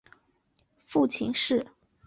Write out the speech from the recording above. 父亲是。